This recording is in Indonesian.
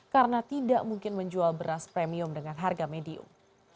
karena tidak mungkin menjual beras premium dengan harga medium